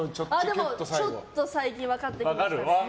ちょっと最近分かってきました。